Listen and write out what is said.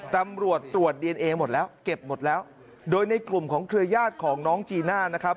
ตำรวจตรวจดีเอนเอหมดแล้วเก็บหมดแล้วโดยในกลุ่มของเครือญาติของน้องจีน่านะครับ